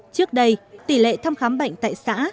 trước đây tỷ lệ thăm khám bệnh tại xã